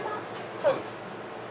そうです。